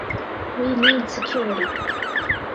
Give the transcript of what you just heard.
We need security.